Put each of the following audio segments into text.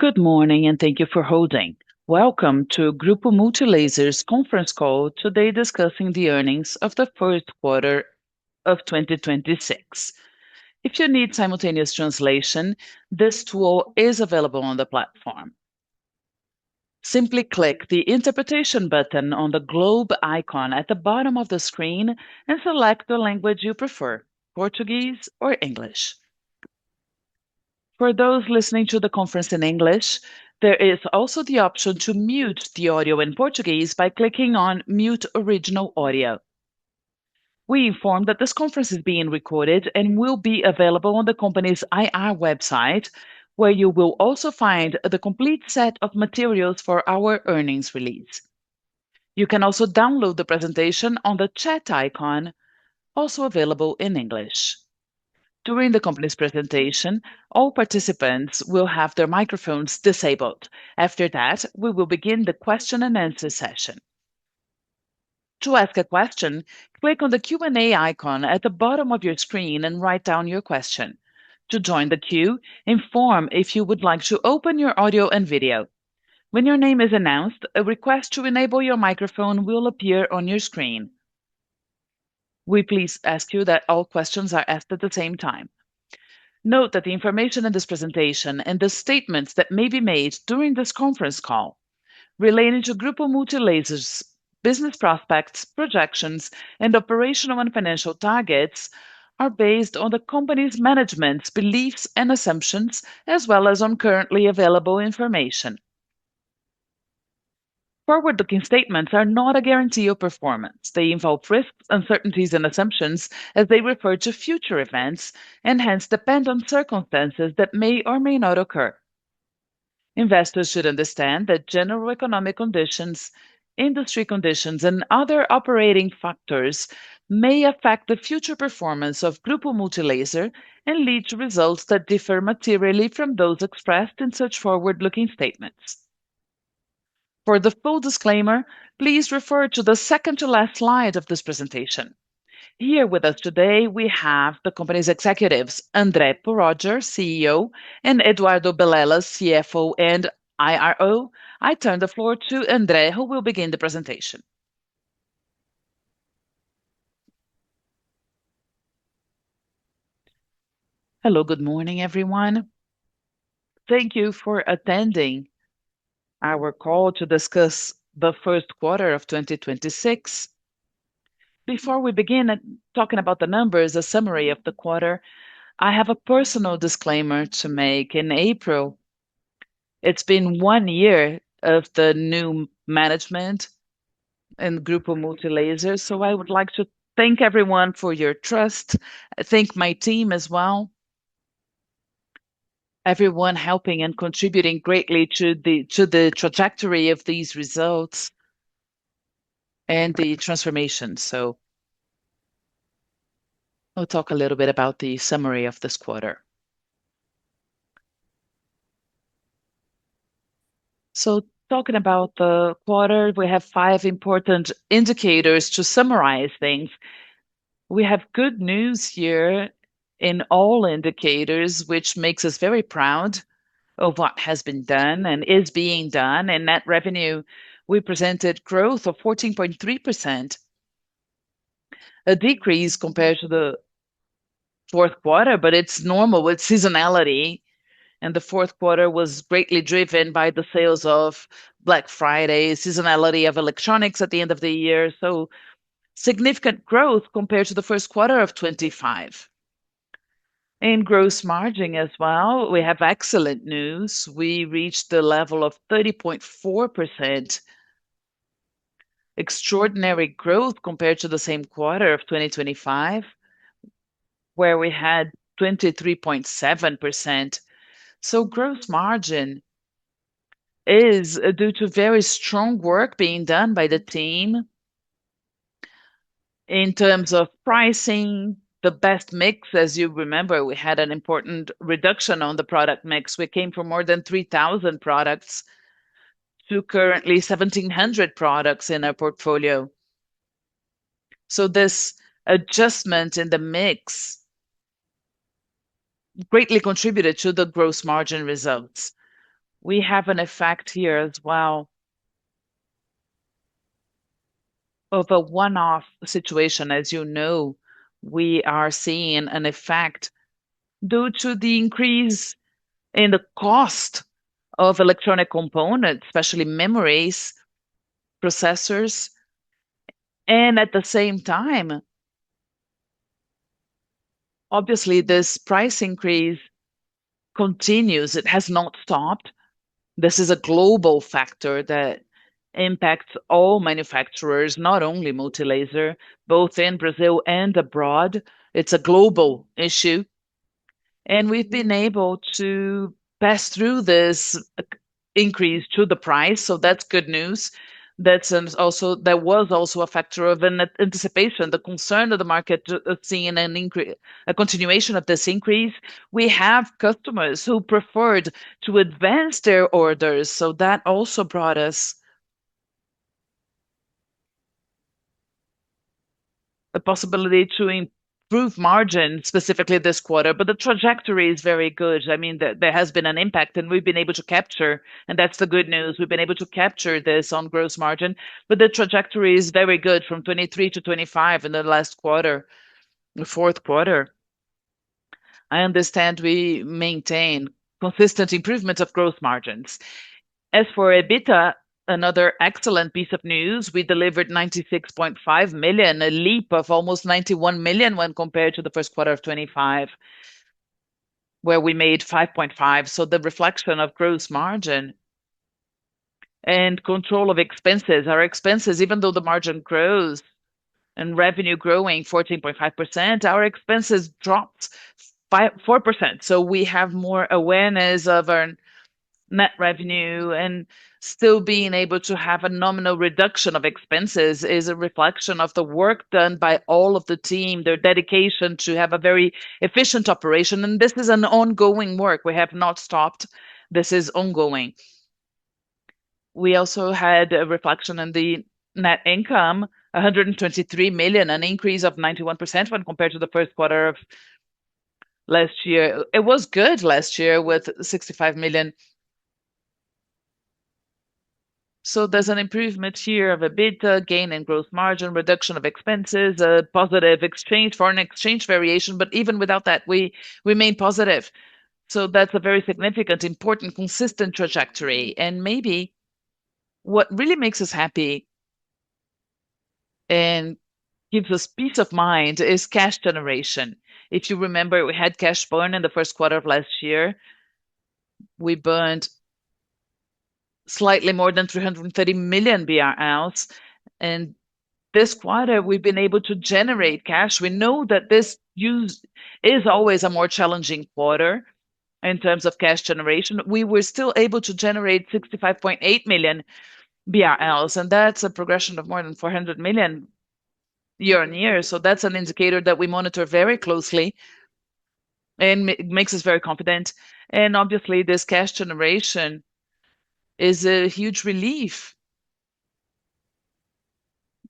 Good morning, and thank you for holding. Welcome to Grupo Multilaser's conference call today discussing the earnings of the first quarter of 2026. If you need simultaneous translation, this tool is available on the platform. Simply click the Interpretation button on the globe icon at the bottom of the screen and select the language you prefer, Portuguese or English. For those listening to the conference in English, there is also the option to mute the audio in Portuguese by clicking on Mute Original Audio. We inform that this conference is being recorded and will be available on the company's IR website, where you will also find the complete set of materials for our earnings release. You can also download the presentation on the chat icon, also available in English. During the company's presentation, all participants will have their microphones disabled. After that, we will begin the question and answer session. To ask a question, click on the Q&A icon at the bottom of your screen and write down your question. To join the queue, inform if you would like to open your audio and video. When your name is announced, a request to enable your microphone will appear on your screen. We please ask you that all questions are asked at the same time. Note that the information in this presentation and the statements that may be made during this conference call relating to Grupo Multilaser's business prospects, projections, and operational and financial targets are based on the company's management's beliefs and assumptions as well as on currently available information. Forward-looking statements are not a guarantee of performance. They involve risks, uncertainties and assumptions as they refer to future events, and hence, depend on circumstances that may or may not occur. Investors should understand that general economic conditions, industry conditions, and other operating factors may affect the future performance of Grupo Multilaser and lead to results that differ materially from those expressed in such forward-looking statements. For the full disclaimer, please refer to the second to last slide of this presentation. Here with us today we have the company's executives, André Poroger, CEO, and Eduardo Belelas, CFO and IRO. I turn the floor to André, who will begin the presentation. Hello. Good morning, everyone. Thank you for attending our call to discuss the first quarter of 2026. Before we begin talking about the numbers, a summary of the quarter, I have a personal disclaimer to make. In April, it's been one year of the new management in Grupo Multilaser. I would like to thank everyone for your trust. Thank my team as well. Everyone helping and contributing greatly to the trajectory of these results and the transformation. I'll talk a little bit about the summary of this quarter. Talking about the quarter, we have five important indicators to summarize things. We have good news here in all indicators, which makes us very proud of what has been done and is being done. In net revenue, we presented growth of 14.3%. A decrease compared to the fourth quarter, but it's normal with seasonality, and the fourth quarter was greatly driven by the sales of Black Friday, seasonality of electronics at the end of the year. Significant growth compared to the first quarter of 2025. In gross margin as well, we have excellent news. We reached the level of 30.4%. Extraordinary growth compared to the same quarter of 2025, where we had 23.7%. Gross margin is due to very strong work being done by the team in terms of pricing the best mix. As you remember, we had an important reduction on the product mix. We came from more than 3,000 products to currently 1,700 products in our portfolio. This adjustment in the mix greatly contributed to the gross margin results. We have an effect here as well of a one-off situation. As you know, we are seeing an effect due to the increase in the cost of electronic components, especially memories, processors. At the same time, obviously, this price increase continues. It has not stopped. This is a global factor that impacts all manufacturers, not only Multilaser, both in Brazil and abroad. It's a global issue. We've been able to pass through this increase to the price. That's good news. That was also a factor of an anticipation, the concern of the market, seeing a continuation of this increase. We have customers who preferred to advance their orders. That also brought us the possibility to improve margin specifically this quarter, but the trajectory is very good. I mean, there has been an impact. We've been able to capture. That's the good news. We've been able to capture this on gross margin. The trajectory is very good from 2023 to 2025. In the last quarter, the fourth quarter, I understand we maintain consistent improvements of growth margins. As for EBITDA, another excellent piece of news, we delivered 96.5 million, a leap of almost 91 million when compared to the first quarter of 2025, where we made 5.5 million. The reflection of gross margin and control of expenses. Our expenses, even though the margin grows and revenue growing 14.5%, our expenses dropped 4%. We have more awareness of our net revenue, and still being able to have a nominal reduction of expenses is a reflection of the work done by all of the team, their dedication to have a very efficient operation, and this is an ongoing work. We have not stopped. This is ongoing. We also had a reflection on the net income, 123 million, an increase of 91% when compared to the first quarter of last year. It was good last year with 65 million. There's an improvement here of EBITDA, gain in gross margin, reduction of expenses, a positive foreign exchange variation. Even without that, we remain positive. That's a very significant, important, consistent trajectory. Maybe what really makes us happy and gives us peace of mind is cash generation. If you remember, we had cash burn in the first quarter of last year. We burned slightly more than 330 million BRL, and this quarter we've been able to generate cash. We know that this Q1 is always a more challenging quarter in terms of cash generation. We were still able to generate 65.8 million BRL, and that's a progression of more than 400 million year-on-year. That's an indicator that we monitor very closely and makes us very confident. Obviously, this cash generation is a huge relief.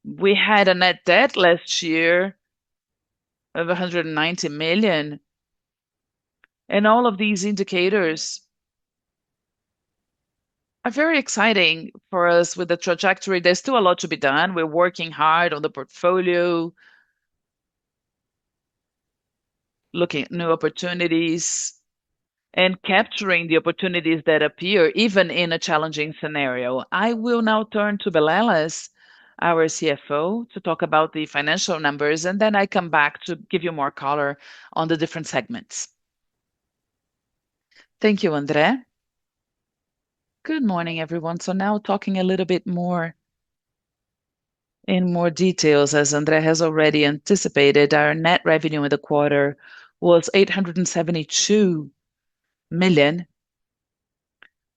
We had a net debt last year of 190 million. All of these indicators are very exciting for us with the trajectory. There's still a lot to be done. We're working hard on the portfolio, looking at new opportunities and capturing the opportunities that appear even in a challenging scenario. I will now turn to Belelas, our CFO, to talk about the financial numbers, and then I come back to give you more color on the different segments. Thank you, André. Good morning, everyone. Now talking a little bit more in more details, as André has already anticipated, our net revenue in the quarter was 872 million,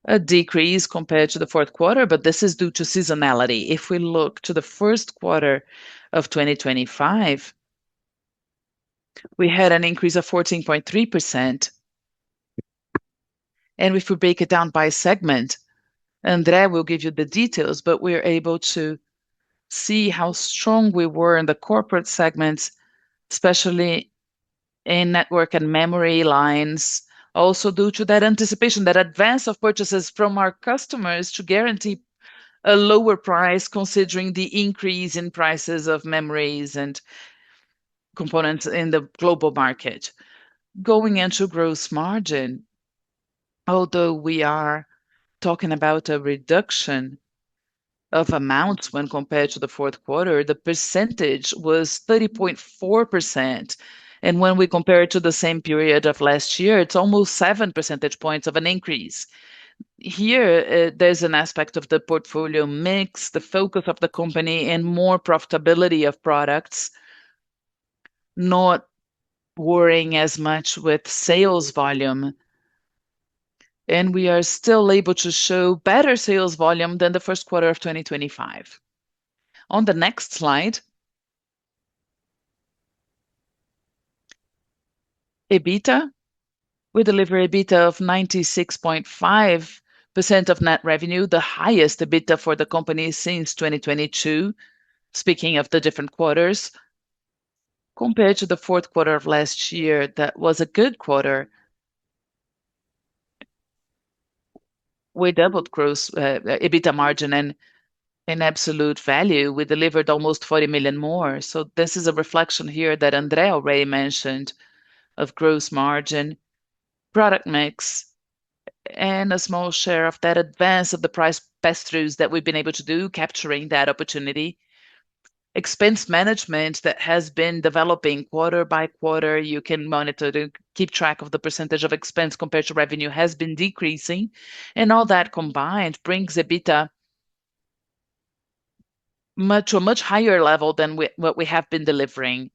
a decrease compared to the fourth quarter, but this is due to seasonality. If we look to the first quarter of 2025, we had an increase of 14.3%. If we break it down by segment, André will give you the details, but we're able to see how strong we were in the corporate segments, especially in network and memory lines. Also due to that anticipation, that advance of purchases from our customers to guarantee a lower price considering the increase in prices of memories and components in the global market. Going into gross margin, although we are talking about a reduction of amounts when compared to the fourth quarter, the percentage was 30.4%. When we compare it to the same period of last year, it's almost 7 percentage points of an increase. Here, there's an aspect of the portfolio mix, the focus of the company and more profitability of products, not worrying as much with sales volume. We are still able to show better sales volume than the first quarter of 2025. On the next slide, EBITDA. We deliver EBITDA of $96.5 million of net revenue, the highest EBITDA for the company since 2022, speaking of the different quarters. Compared to the fourth quarter of last year, that was a good quarter. We doubled gross EBITDA margin in absolute value. We delivered almost 40 million more. This is a reflection here that André already mentioned of gross margin, product mix, and a small share of that advance of the price pass-throughs that we've been able to do, capturing that opportunity. Expense management that has been developing quarter-by-quarter, you can monitor to keep track of the percentage of expense compared to revenue has been decreasing. All that combined brings EBITDA to a much higher level than what we have been delivering.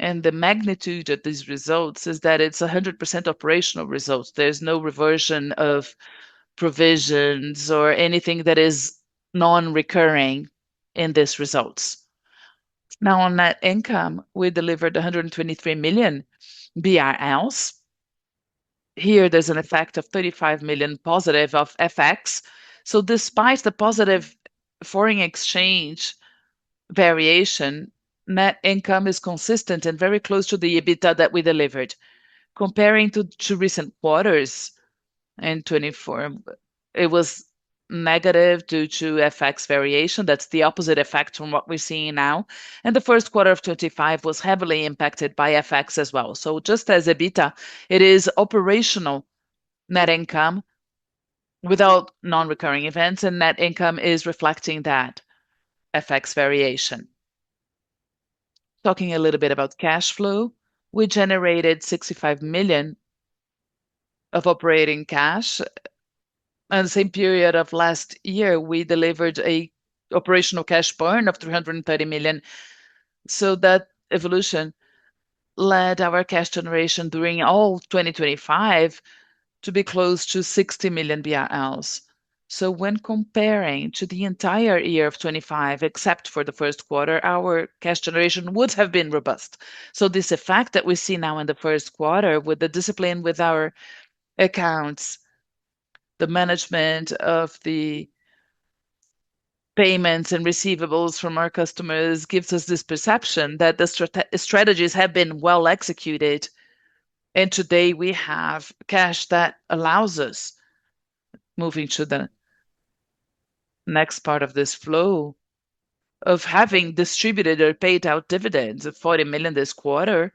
The magnitude of these results is that it's 100% operational results. There's no reversion of provisions or anything that is non-recurring in these results. On net income, we delivered 123 million BRL. Here there's an effect of 35 million positive of FX. Despite the positive foreign exchange variation, net income is consistent and very close to the EBITDA that we delivered. Comparing to recent quarters, in 2024 it was negative due to FX variation. That's the opposite effect from what we're seeing now. The first quarter of 2025 was heavily impacted by FX as well. Just as EBITDA, it is operational net income without non-recurring events, and net income is reflecting that FX variation. Talking a little bit about cash flow, we generated 65 million of operating cash. The same period of last year we delivered a operational cash burn of 330 million. That evolution led our cash generation during all 2025 to be close to 60 million BRL. When comparing to the entire year of 2025, except for the first quarter, our cash generation would have been robust. This effect that we see now in the first quarter with the discipline with our accounts, the management of the payments and receivables from our customers gives us this perception that the strategies have been well executed. Today we have cash that allows us, moving to the next part of this flow, of having distributed or paid out dividends of 40 million this quarter,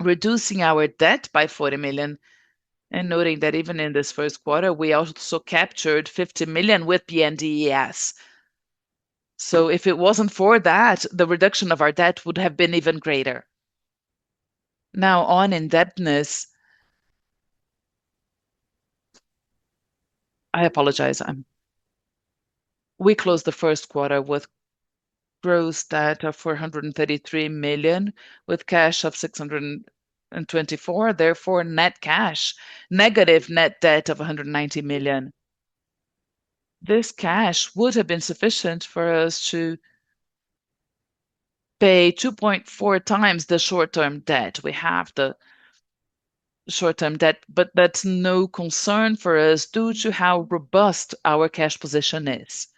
reducing our debt by 40 million, and noting that even in this first quarter we also captured 50 million with BNDES. If it wasn't for that, the reduction of our debt would have been even greater. Now on indebtedness, we closed the first quarter with gross debt of 433 million, with cash of 624 million. Therefore, net cash, negative net debt of 190 million. This cash would have been sufficient for us to pay 2.4 times the short-term debt. We have the short-term debt, that's no concern for us due to how robust our cash position is.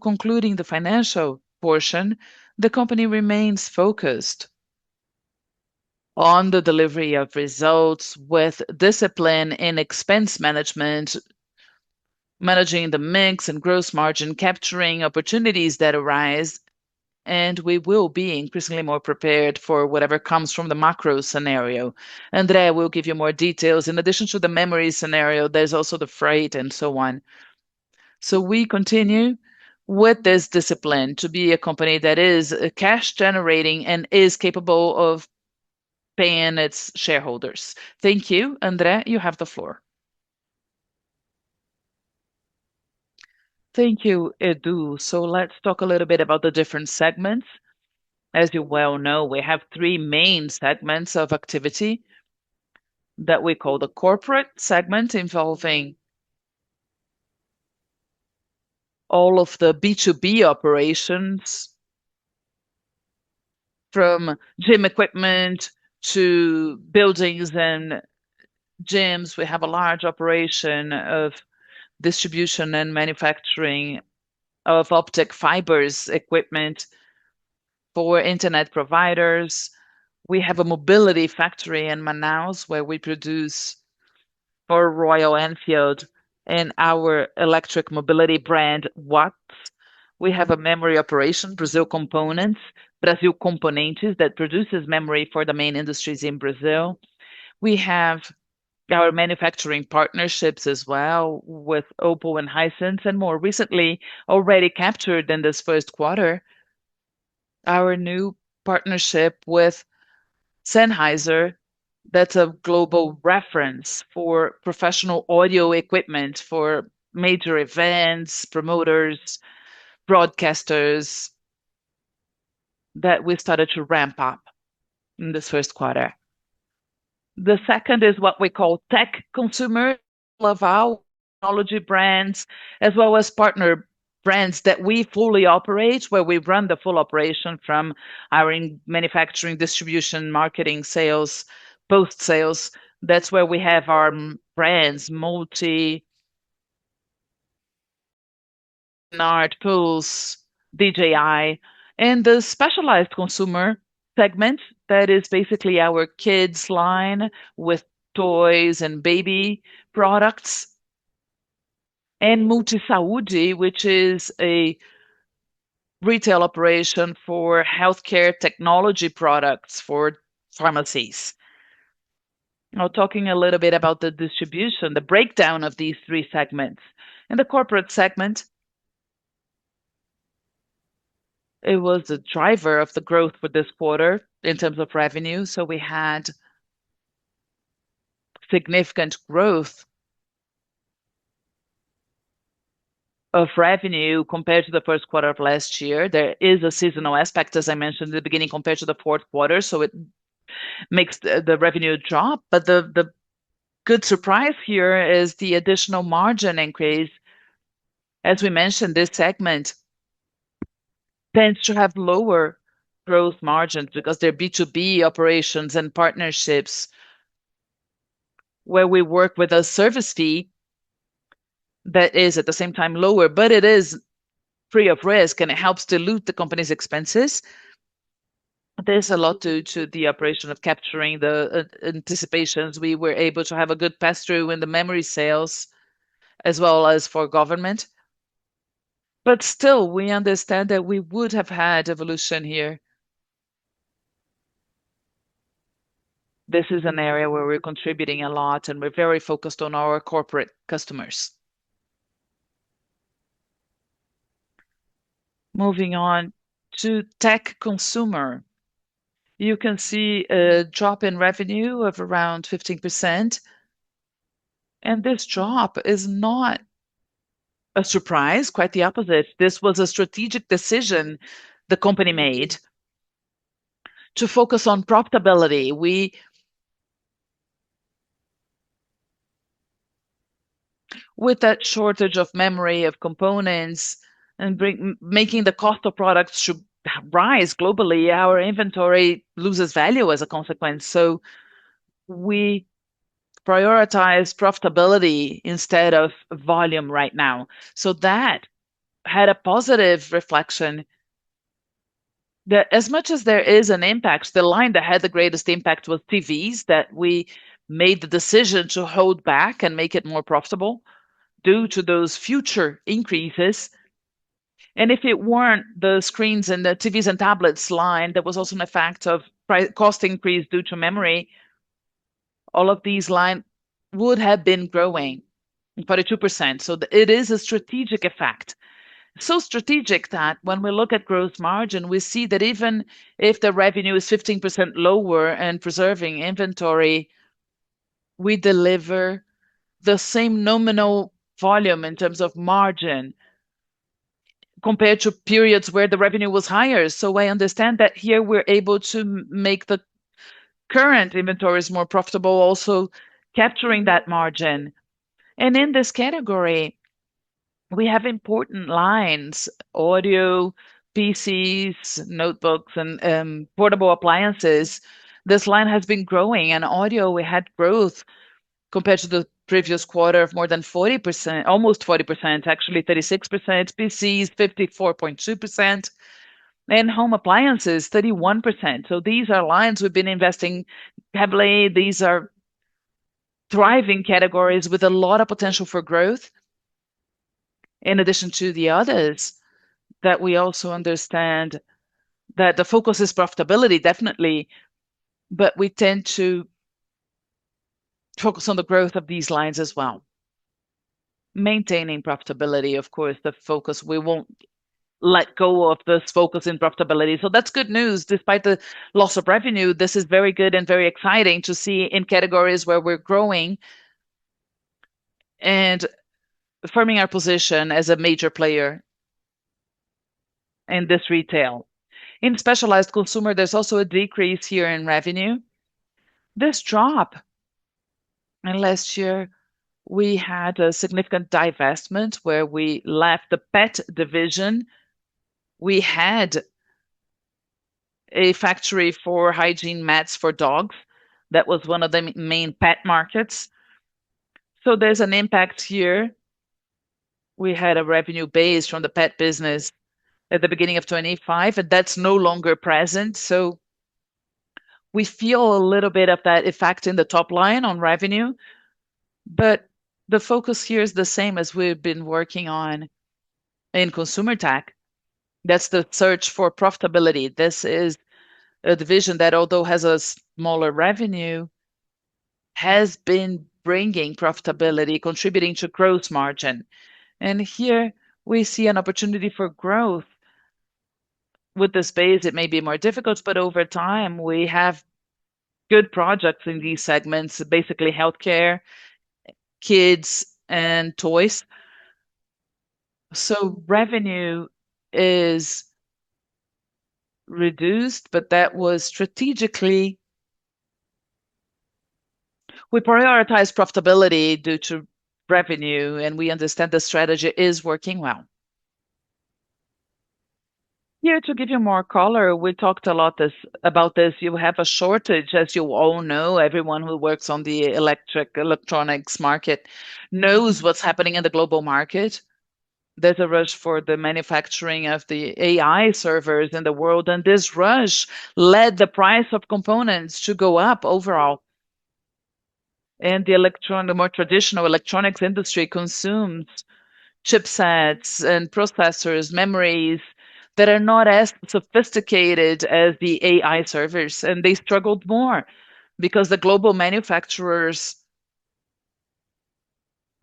Concluding the financial portion, the company remains focused on the delivery of results with discipline and expense management, managing the mix and gross margin, capturing opportunities that arise, and we will be increasingly more prepared for whatever comes from the macro scenario. André will give you more details. In addition to the memory scenario, there's also the freight and so on. We continue with this discipline to be a company that is cash generating and is capable of paying its shareholders. Thank you. André, you have the floor. Thank you, Edu. Let's talk a little bit about the different segments. As you well know, we have three main segments of activity that we call the corporate segment, involving all of the B2B operations, from gym equipment to buildings and gyms. We have a large operation of distribution and manufacturing of optic fibers equipment for internet providers. We have a mobility factory in Manaus where we produce for Royal Enfield and our electric mobility brand, Watts. We have a memory operation, Brasil Componentes, that produces memory for the main industries in Brazil. We have our manufacturing partnerships as well with Oppo and Hisense, and more recently, already captured in this first quarter, our new partnership with Sennheiser. That's a global reference for professional audio equipment for major events, promoters, broadcasters, that we've started to ramp up in this first quarter. The second is what we call Tech Consumer, of our technology brands, as well as partner brands that we fully operate, where we run the full operation from our manufacturing, distribution, marketing, sales, post-sales. That's where we have our brands, Multi, NARTools, DJI. The Specialized Consumer segment, that is basically our kids line with toys and baby products, and Multi Saúde, which is a retail operation for healthcare technology products for pharmacies. Talking a little bit about the distribution, the breakdown of these three segments. In the Corporate segment, it was a driver of the growth for this quarter in terms of revenue. We had significant growth of revenue compared to the first quarter of last year. There is a seasonal aspect, as I mentioned at the beginning, compared to the fourth quarter, it makes the revenue drop. The good surprise here is the additional margin increase. As we mentioned, this segment tends to have lower growth margins because they're B2B operations and partnerships where we work with a service fee that is at the same time lower, but it is free of risk and it helps dilute the company's expenses. There's a lot due to the operation of capturing the anticipations. We were able to have a good pass-through in the memory sales, as well as for government. Still, we understand that we would have had evolution here. This is an area where we're contributing a lot, and we're very focused on our corporate customers. Moving on to tech consumer. You can see a drop in revenue of around 15%, and this drop is not a surprise. Quite the opposite. This was a strategic decision the company made to focus on profitability. With that shortage of memory, of components, and making the cost of products to rise globally, our inventory loses value as a consequence. We prioritize profitability instead of volume right now. That had a positive reflection. As much as there is an impact, the line that had the greatest impact was TVs, that we made the decision to hold back and make it more profitable due to those future increases. If it weren't the screens and the TVs and tablets line, that was also an effect of cost increase due to memory, all of these line would have been growing 42%. It is a strategic effect. Strategic that when we look at gross margin, we see that even if the revenue is 15% lower and preserving inventory, we deliver the same nominal volume in terms of margin compared to periods where the revenue was higher. I understand that here we're able to make the current inventories more profitable, also capturing that margin. In this category, we have important lines, audio, PCs, notebooks, and portable appliances. This line has been growing. In audio we had growth compared to the previous quarter of more than 40%, almost 40%, actually 36%, PCs 54.2%, and home appliances 31%. These are lines we've been investing heavily. These are thriving categories with a lot of potential for growth. In addition to the others, that we also understand that the focus is profitability, definitely, but we tend to focus on the growth of these lines as well. Maintaining profitability, of course, the focus. We won't let go of this focus in profitability. That's good news. Despite the loss of revenue, this is very good and very exciting to see in categories where we're growing and affirming our position as a major player in this retail. In specialized consumer, there's also a decrease here in revenue. This drop, and last year we had a significant divestment where we left the pet division. We had a factory for hygiene mats for dogs. That was one of the main pet markets. There's an impact here. We had a revenue base from the pet business at the beginning of 2025, and that's no longer present. We feel a little bit of that effect in the top line on revenue. The focus here is the same as we've been working on in consumer tech. That's the search for profitability. This is a division that, although has a smaller revenue, has been bringing profitability, contributing to gross margin. Here we see an opportunity for growth. With the space it may be more difficult, but over time we have good projects in these segments, basically healthcare, kids and toys. Revenue is reduced, but that was strategically We prioritize profitability due to revenue, and we understand the strategy is working well. To give you more color, we talked a lot about this. You have a shortage, as you all know. Everyone who works on the electric, electronics market knows what's happening in the global market. There's a rush for the manufacturing of the AI servers in the world, and this rush led the price of components to go up overall. The more traditional electronics industry consumes chipsets and processors, memories that are not as sophisticated as the AI servers, and they struggled more because the global manufacturers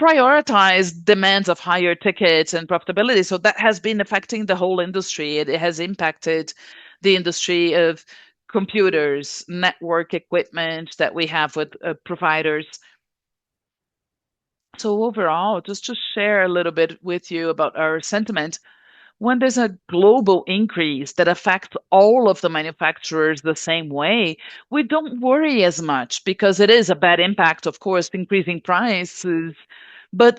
prioritize demands of higher tickets and profitability. That has been affecting the whole industry. It has impacted the industry of computers, network equipment that we have with providers. Overall, just to share a little bit with you about our sentiment, when there's a global increase that affects all of the manufacturers the same way, we don't worry as much because it is a bad impact, of course, increasing prices.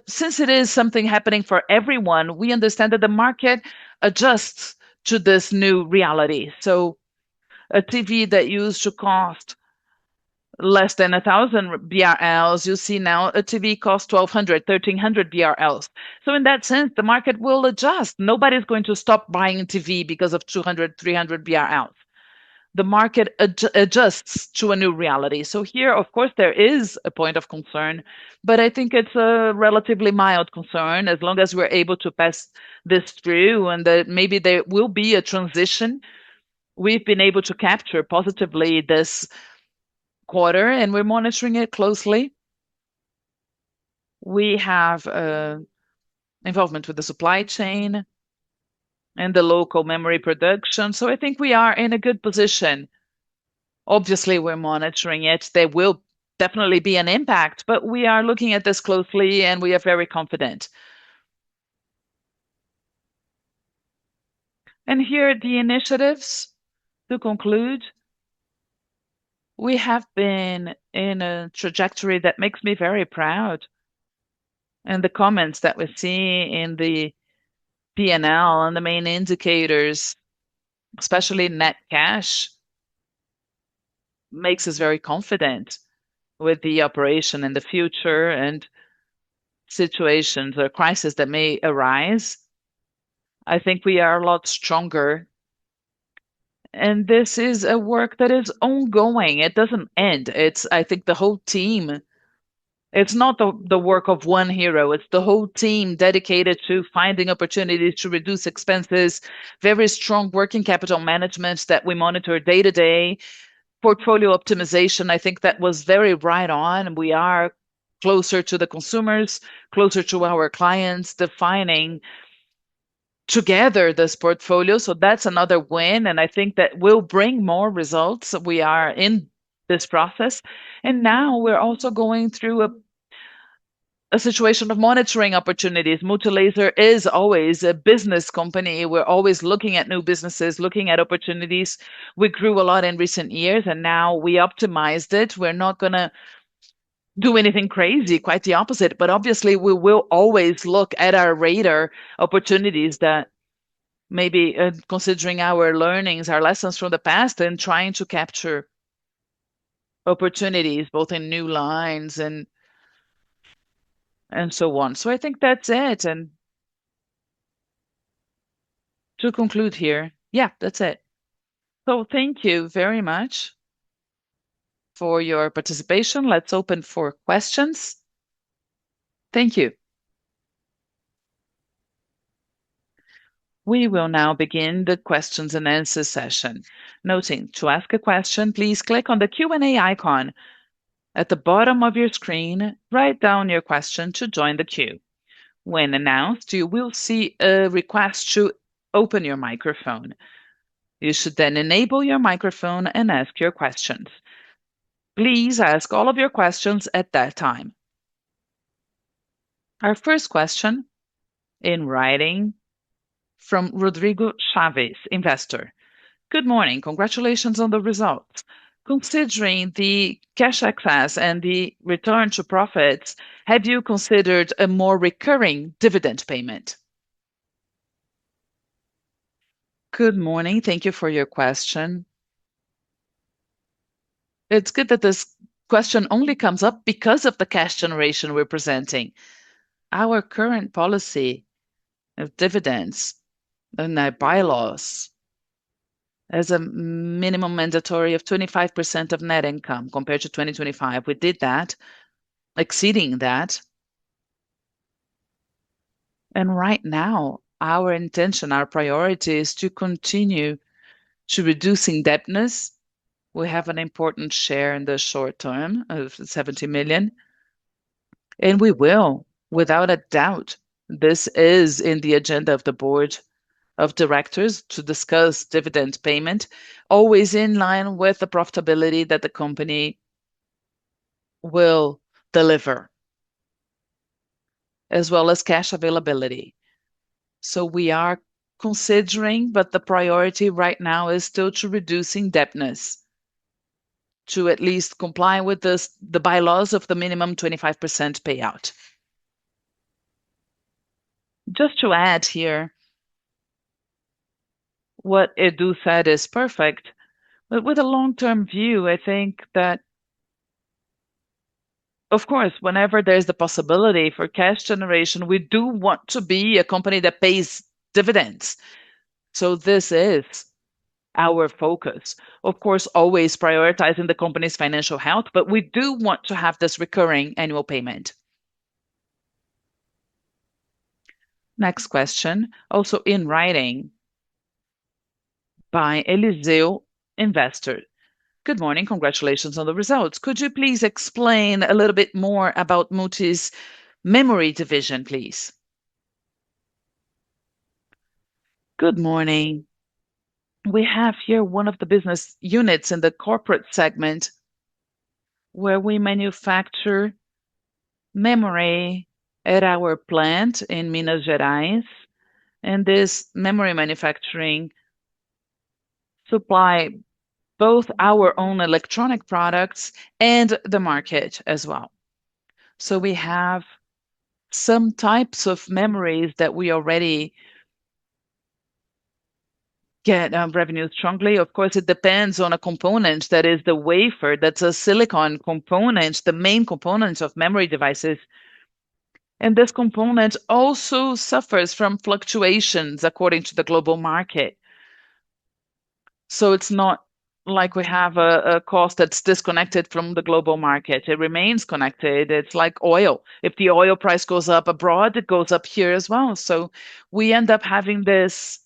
Since it is something happening for everyone, we understand that the market adjusts to this new reality. A TV that used to cost less than 1,000, you see now a TV costs 1,200, 1,300. In that sense, the market will adjust. Nobody's going to stop buying a TV because of 200, 300. The market adjusts to a new reality. Here, of course, there is a point of concern, but I think it's a relatively mild concern as long as we're able to pass this through, and that maybe there will be a transition. We've been able to capture positively this quarter, and we're monitoring it closely. We have involvement with the supply chain and the local memory production, I think we are in a good position. Obviously, we're monitoring it. There will definitely be an impact, we are looking at this closely, and we are very confident. Here are the initiatives to conclude. We have been in a trajectory that makes me very proud, the comments that we're seeing in the P&L and the main indicators, especially net cash, makes us very confident with the operation in the future and situations or crisis that may arise. I think we are a lot stronger, this is a work that is ongoing. It doesn't end. It's, I think, the whole team. It's not the work of one hero. It's the whole team dedicated to finding opportunities to reduce expenses. Very strong working capital managements that we monitor day to day. Portfolio optimization, I think that was very right on. We are closer to the consumers, closer to our clients, defining together this portfolio, so that's another win. I think that will bring more results. We are in this process. Now we're also going through a situation of monitoring opportunities. Multilaser is always a business company. We're always looking at new businesses, looking at opportunities. We grew a lot in recent years, and now we optimized it. We're not gonna do anything crazy, quite the opposite. Obviously, we will always look at our radar opportunities that maybe, considering our learnings, our lessons from the past and trying to capture opportunities both in new lines and so on. I think that's it. To conclude here, yeah, that's it. Thank you very much for your participation. Let's open for questions. Thank you. We will now begin the questions and answer session. Noting, to ask a question, please click on the Q&A icon at the bottom of your screen. Write down your question to join the queue. When announced, you will see a request to open your microphone. You should then enable your microphone and ask your questions. Please ask all of your questions at that time. Our first question in writing from Rodrigo Chávez, investor. Good morning. Congratulations on the results. Considering the cash access and the return to profits, have you considered a more recurring dividend payment? Good morning. Thank you for your question. It's good that this question only comes up because of the cash generation we're presenting. Our current policy of dividends and our bylaws as a minimum mandatory of 25% of net income compared to 2025, we did that, exceeding that. Right now, our intention, our priority is to continue to reducing debtness. We have an important share in the short term of 70 million, and we will, without a doubt. This is in the agenda of the board of directors to discuss dividend payment, always in line with the profitability that the company will deliver, as well as cash availability. We are considering, but the priority right now is still to reducing indebtedness, to at least comply with the bylaws of the minimum 25% payout. Just to add here, what Edu said is perfect. With a long-term view, I think that, of course, whenever there's the possibility for cash generation, we do want to be a company that pays dividends. This is our focus. Of course, always prioritizing the company's financial health, but we do want to have this recurring annual payment. Next question, also in writing by Eliseo, investor. "Good morning. Congratulations on the results. Could you please explain a little bit more about Multi's memory division, please?" Good morning. We have here one of the business units in the corporate segment where we manufacture memory at our plant in Minas Gerais, and this memory manufacturing supply both our own electronic products and the market as well. We have some types of memories that we already get revenue strongly. Of course, it depends on a component that is the wafer, that's a silicon component, the main component of memory devices, and this component also suffers from fluctuations according to the global market. It's not like we have a cost that's disconnected from the global market. It remains connected. It's like oil. If the oil price goes up abroad, it goes up here as well. We end up having this.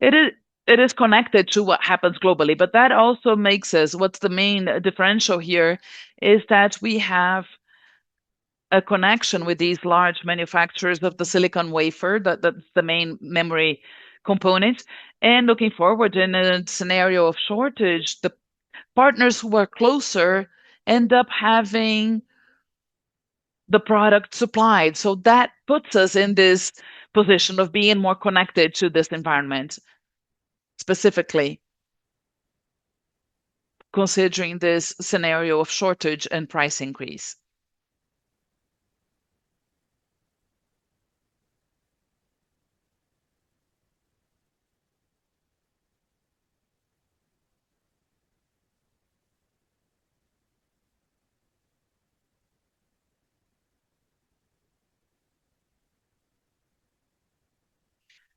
It is connected to what happens globally, but that also makes us, what's the main differential here is that we have a connection with these large manufacturers of the silicon wafer, the main memory component, and looking forward in a scenario of shortage, the partners who are closer end up having the product supplied. That puts us in this position of being more connected to this environment specifically. Considering this scenario shortage and price increase.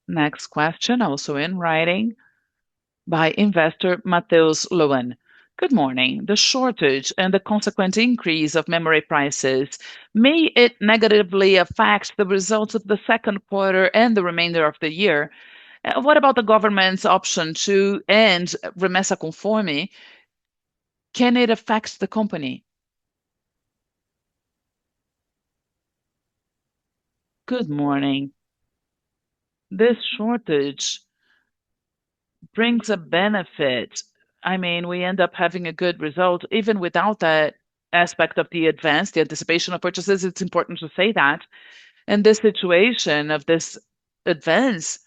Next question also in writing by investor Mateus Loewen. Good morning. The shortage and the consequent increase of memory prices, may it negatively affect the results of the second quarter and the remainder of the year? What about the government's option to end Remessa Conforme? Can it affect the company? Good morning. This shortage brings a benefit. I mean, we end up having a good result even without that aspect of the advance, the anticipation of purchases. It's important to say that. The situation of this advance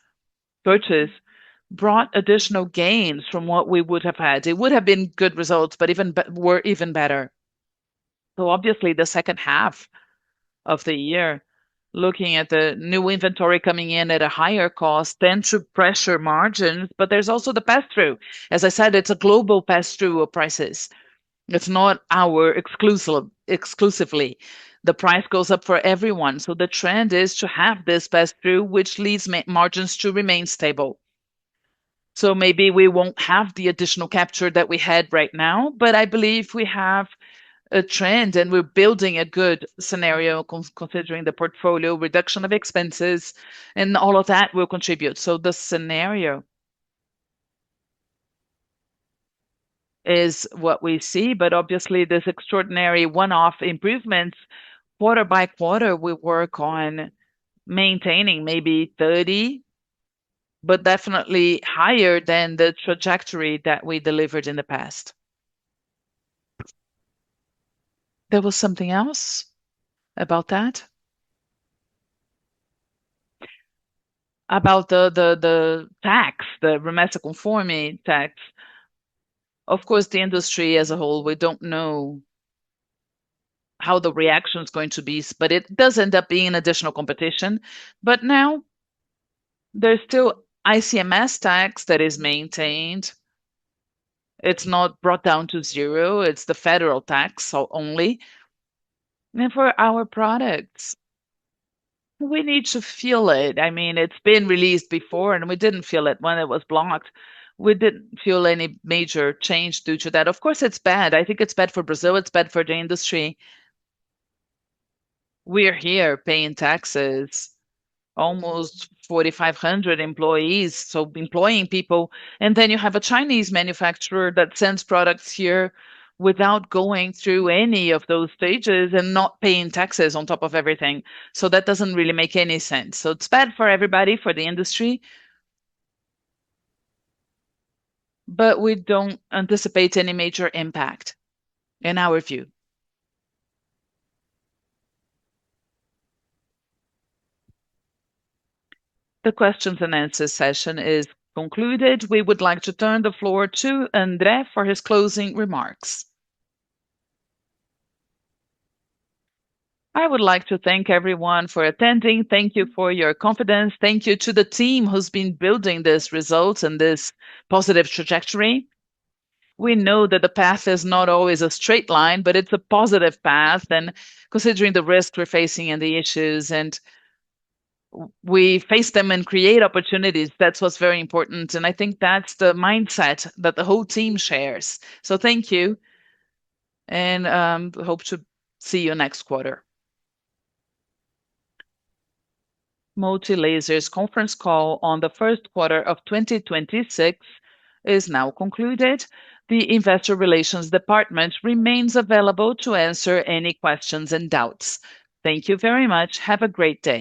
purchase brought additional gains from what we would have had. It would have been good results, but were even better. Obviously, the second half of the year, looking at the new inventory coming in at a higher cost tends to pressure margins, but there's also the pass-through. As I said, it's a global pass-through of prices. It's not our exclusively. The price goes up for everyone. The trend is to have this pass-through, which leads margins to remain stable. Maybe we won't have the additional capture that we had right now, but I believe we have a trend, and we're building a good scenario considering the portfolio reduction of expenses, and all of that will contribute. The scenario is what we see. Obviously, this extraordinary one-off improvements, quarter-by-quarter we work on maintaining maybe 30, but definitely higher than the trajectory that we delivered in the past. There was something else about that? About the tax, the Remessa Conforme tax. Of course, the industry as a whole, we don't know how the reaction's going to be, but it does end up being an additional competition. Now there's still ICMS tax that is maintained. It's not brought down to zero. It's the federal tax. For our products, we need to feel it. I mean, it's been released before. We didn't feel it when it was blocked. We didn't feel any major change due to that. Of course, it's bad. I think it's bad for Brazil. It's bad for the industry. We're here paying taxes, almost 4,500 employees, employing people. You have a Chinese manufacturer that sends products here without going through any of those stages and not paying taxes on top of everything. That doesn't really make any sense. It's bad for everybody, for the industry. We don't anticipate any major impact in our view. The Q&A session is concluded. We would like to turn the floor to André for his closing remarks. I would like to thank everyone for attending. Thank you for your confidence. Thank you to the team who's been building these results and this positive trajectory. We know that the path is not always a straight line, but it's a positive path. Considering the risks we're facing and the issues, we face them and create opportunities, that's what's very important, and I think that's the mindset that the whole team shares. Thank you, and hope to see you next quarter. Multilaser's conference call on the first quarter of 2026 is now concluded. The investor relations department remains available to answer any questions and doubts. Thank you very much. Have a great day.